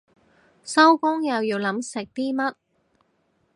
收工又要諗食啲乜